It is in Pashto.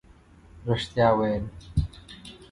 رښتیا ویل